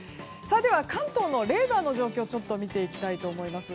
では、関東のレーダーの状況を見ていきたいと思います。